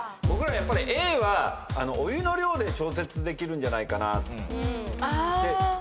僕らやっぱりＡはお湯の量で調節できるんじゃないかなって。